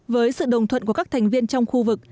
với sự đồng thuận của các thành viên trong khu vực